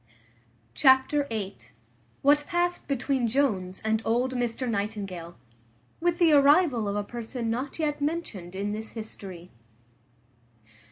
Chapter viii. What passed between Jones and old Mr Nightingale; with the arrival of a person not yet mentioned in this history.